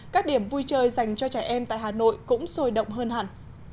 các điểm vui chơi dành cho trẻ em tại hà nội cũng sôi động hơn hẳn